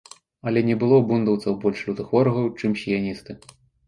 Але не было ў бундаўцаў больш лютых ворагаў, чым сіяністы.